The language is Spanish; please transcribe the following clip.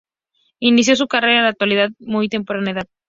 Inició su carrera en la actuación a muy temprana edad.